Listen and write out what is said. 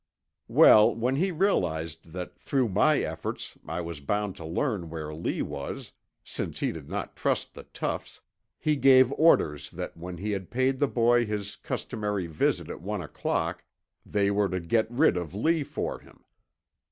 "Well, when he realized that through my efforts I was bound to learn where Lee was, since he did not trust the toughs, he gave orders that when he had paid the boy his customary visit at one o'clock, they were to get rid of Lee for him.